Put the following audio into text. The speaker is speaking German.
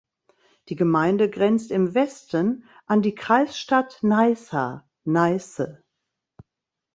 Die Gemeinde grenzt im Westen an die Kreisstadt Nysa "(Neisse)".